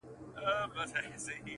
ته يې جادو په شينكي خال كي ويــنې.